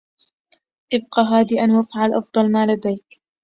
إبقَ هادئاً وافعل أفضلَ ما لديك.